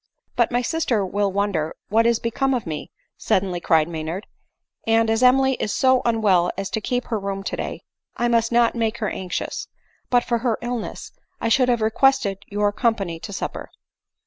" But my sister will wonder what is become of me," suddenly cried Maynard ;" and as Emily is so unwell as to keep her room today, I must not make her anxious. But for her illness, I should have requested your com pany to supper."